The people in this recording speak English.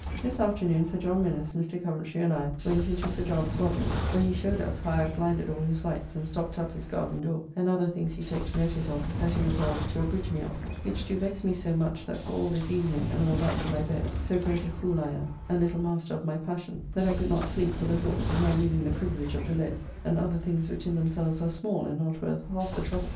This afternoon Sir John Minnes, Mr. Coventry, and I went into Sir John's lodgings, where he showed us how I have blinded all his lights, and stopped up his garden door, and other things he takes notice of that he resolves to abridge me of, which do vex me so much that for all this evening and all night in my bed, so great a fool I am, and little master of my passion, that I could not sleep for the thoughts of my losing the privilege of the leads, and other things which in themselves are small and not worth half the trouble.